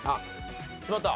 決まった？